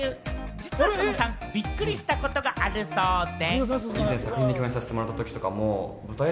実は佐野さん、びっくりしたことがあるそうで。